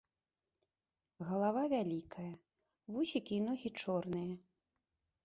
Галава вялікая, вусікі і ногі чорныя.